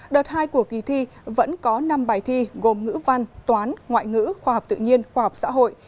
đợt hai của kỳ thi vẫn có năm bài thi gồm ngữ văn toán ngoại ngữ khoa học tự nhiên khoa học xã hội